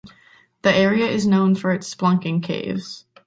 The area is known for its spelunking caves.